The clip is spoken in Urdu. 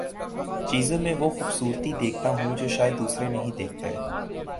چیزوں میں وہ خوبصورتی دیکھتا ہوں جو شائد دوسرے نہیں دیکھتے